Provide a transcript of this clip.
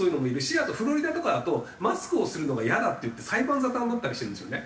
あとフロリダとかだと「マスクをするのがイヤだ」っていって裁判沙汰になったりしてるんですよね。